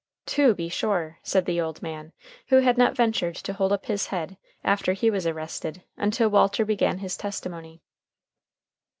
"To be sure," said the old man, who had not ventured to hold up his head, after he was arrested, until Walter began his testimony.